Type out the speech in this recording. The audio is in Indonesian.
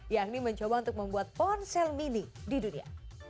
yakni mencoba untuk membuat ponsel mini di dunia